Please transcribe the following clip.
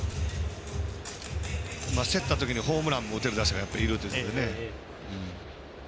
競った時に、ホームランを打てる打者がいるというのもね。